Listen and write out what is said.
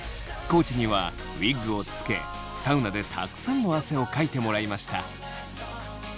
地にはウィッグをつけサウナでたくさんの汗をかいてもらいました。